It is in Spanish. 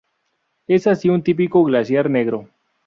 Es así un típico glaciar negro.